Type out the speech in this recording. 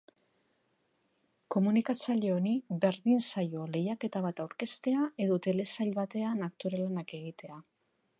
Komunikatzaile honi berdin zaio lehiaketa bat aurkeztea edo telesail batean aktore lanak egitea.